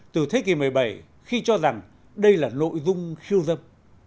từ thế kỷ một mươi bảy khi cho rằng đây là nội dung khiêu dâm